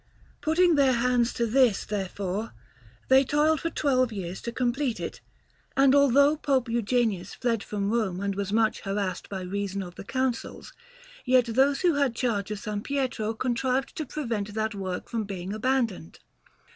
Putting their hands to this, therefore, they toiled for twelve years to complete it; and although Pope Eugenius fled from Rome and was much harassed by reason of the Councils, yet those who had charge of S. Pietro contrived to prevent that work from being abandoned.